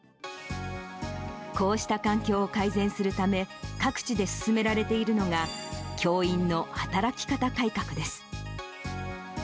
こうした環境を改善するため、各地で進められているのが、教員の働き方改革です。